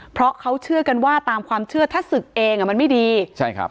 เพราะเขาเชื่อกันว่าตามความเชื่อถ้าศึกเองอ่ะมันไม่ดีใช่ครับ